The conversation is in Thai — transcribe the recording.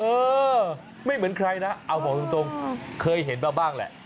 เออไม่เหมือนใครนะเอาบอกตรงเคยเห็นมาบ้างแหละ